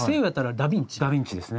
ダビンチですね。